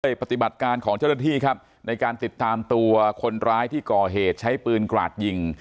ไม่เต็มก็ได้ปฏิบัติการของเจ้าละที่ครับในการติดตามตัวคนร้ายที่ก่อเหตุใช้ปืนกราศยิง